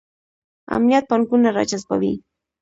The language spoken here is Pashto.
امنیت پانګونه راجذبوي